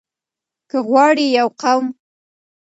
که غواړئ يو قوم